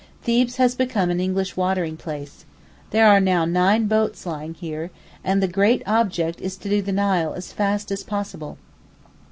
Thebes has become an English watering place. There are now nine boats lying here, and the great object is to do the Nile as fast as possible.